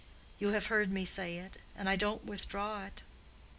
You have heard me say it, and I don't withdraw it.